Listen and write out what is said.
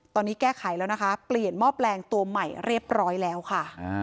ตอนนี้แก้ไขแล้วนะคะเปลี่ยนหม้อแปลงตัวใหม่เรียบร้อยแล้วค่ะ